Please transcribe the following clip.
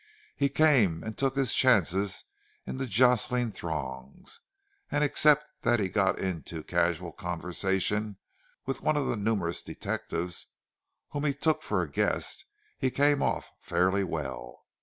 He came and took his chances in the jostling throngs; and except that he got into casual conversation with one of the numerous detectives whom he took for a guest he came off fairly well.